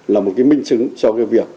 là một cái minh chứng cho cái việc